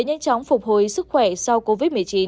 nhanh chóng phục hồi sức khỏe sau covid một mươi chín